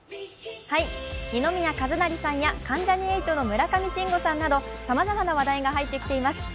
二宮和也さんや関ジャニ∞の村上信五さんなどさまざまな話題が入ってきています。